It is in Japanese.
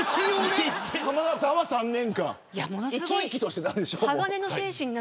浜田さんは３年間生き生きとしていたんでしょ。